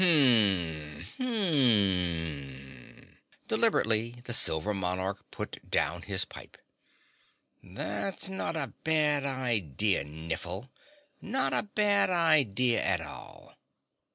"Hm mmmm!" Deliberately the Silver Monarch put down his pipe. "That's not a bad idea, Niffle, not a bad idea at all."